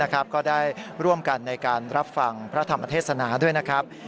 ก็ได้ร่วมกันในการรับฟังพระธรรมเทศนาด้วยนะครับ